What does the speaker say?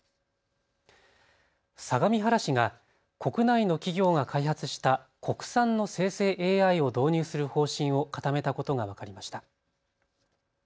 相模原市が国内の企業が開発した国産の生成ＡＩを導入する方針を固めたことが分かりました。